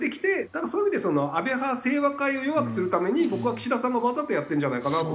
だからそういう意味で安倍派清和会を弱くするために僕は岸田さんがわざとやってるんじゃないかなと。